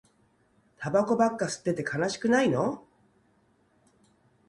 タバコばっか吸ってて悲しくないの